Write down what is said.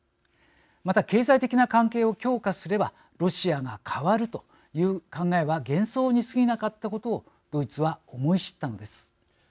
また、経済的な関係を強化すればロシアが変わるという考えは幻想にすぎなかったことをドイツは思い知ったのです。